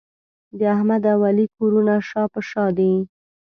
د احمد او علي کورونه شا په شا دي.